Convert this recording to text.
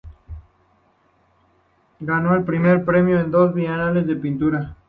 Ganó el Primer Premio en dos Bienales de Pintura.